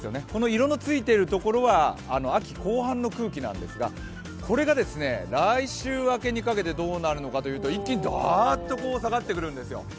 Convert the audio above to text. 色のついているところは秋後半の空気なんですがこれが来週開けにかけてどうなるのかというと一気にダーッと下がってくるんですよ。